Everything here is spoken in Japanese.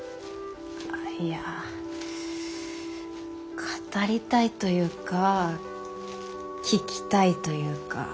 あいや語りたいというか聞きたいというか。